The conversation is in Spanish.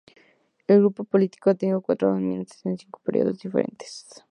El grupo político ha tenido cuatro denominaciones en cinco periodos diferentes.